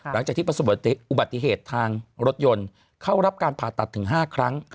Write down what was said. หลังจากที่ประสบอุบัติเหตุทางรถยนต์เข้ารับการผ่าตัดถึง๕ครั้ง